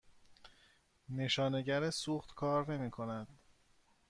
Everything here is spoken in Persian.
نشانگر سوخت کار نمی کند.